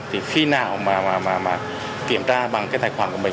thì khi nào mà kiểm tra bằng cái tài khoản của mình